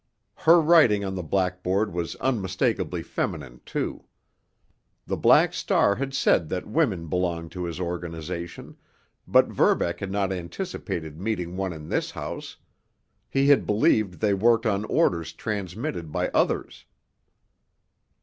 Her writing on the blackboard was unmistakably feminine, too. The Black Star had said that women belonged to his organization, but Verbeck had not anticipated meeting one in this house; he had believed they worked on orders transmitted by others.